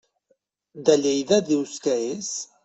De Lleida dius que és?